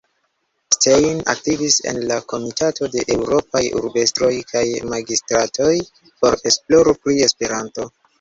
Stein aktivis en la Komitato de eŭropaj urbestroj kaj magistratoj por esploro pri Esperanto.